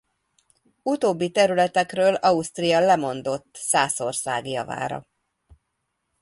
Utóbbi területekről Ausztria lemondott Szászország javára.